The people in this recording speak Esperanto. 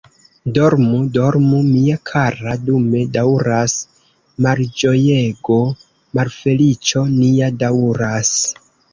Dormu, dormu, mia kara, dume daŭras malĝojego, malfeliĉo nia daŭras.